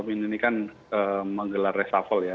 ini kan menggelar resafal ya